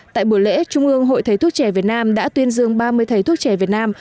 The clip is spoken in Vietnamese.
tại buổi lễ trung ương hội thầy thuốc trẻ việt nam đã tuyên dương ba mươi thầy thuốc trẻ việt nam